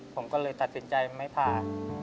ผมก็เลยตัดสินใจไม่พา